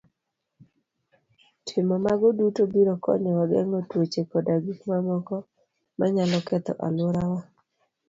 Timo mago duto biro konyowa geng'o tuoche koda gik mamoko manyalo ketho alworawa.